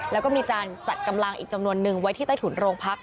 แล้วก็มีการจัดกำลังอีกจำนวนนึงไว้ที่ใต้ถุนโรงพัก